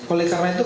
oleh karena itu